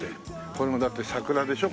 これもだって桜でしょ。